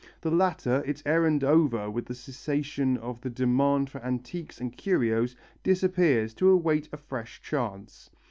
The latter, its errand over with the cessation of the demand for antiques and curios, disappears to await a fresh chance.